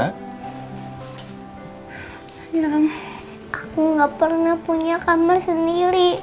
sayang aku gak pernah punya kamar sendiri